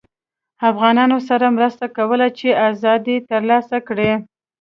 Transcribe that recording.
افغانانوسره مرسته کوله چې ازادي ترلاسه کړي